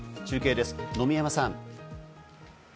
中継です、野見山さん。